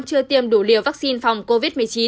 chưa tiêm đủ liều vaccine phòng covid một mươi chín